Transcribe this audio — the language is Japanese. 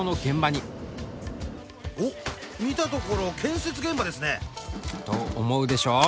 おっ見たところ建設現場ですね。と思うでしょ？